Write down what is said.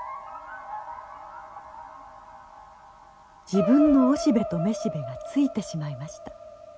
自分のオシベとメシベがついてしまいました。